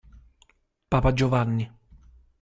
Papa Giovanni